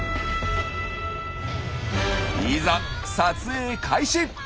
いざ撮影開始！